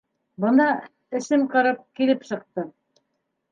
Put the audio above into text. Бына, эсем ҡырып, килеп сыҡтым.